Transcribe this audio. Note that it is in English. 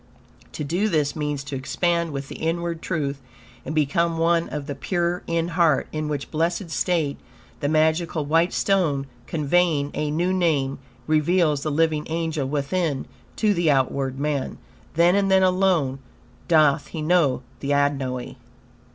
To do this, means to expand with the inward truth and become one of the "pure in heart," in which blessed state, the magical white stone, conveying A NEW NAME, reveals the living angel within, to the outward man. Then, and then alone, doth he know the Adonai.